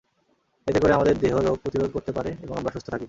এতে করে আমাদের দেহ রোগ প্রতিরোধ করতে পারে এবং আমরা সুস্থ থাকি।